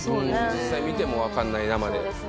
実際見ても分かんない。